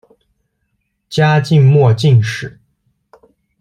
嘉靖末进士。